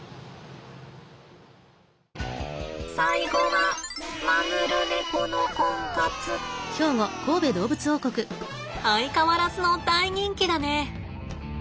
最後は相変わらずの大人気だね。